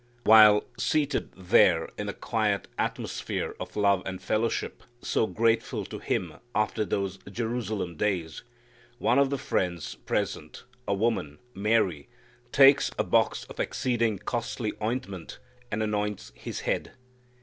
While seated there in the quiet atmosphere of love and fellowship so grateful to Him after those Jerusalem days, one of the friends present, a woman, Mary, takes a box of exceeding costly ointment, and anoints His head.